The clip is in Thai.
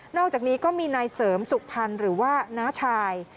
อกจากนี้ก็มีนายเสริมสุขพันธ์หรือว่าน้าชาย